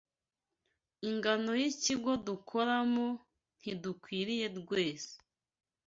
Ingano y’ikigo dukoramo ntidukwiriye rwese